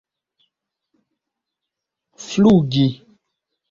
flugi